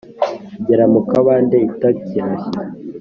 igera mu kabande itakirashya.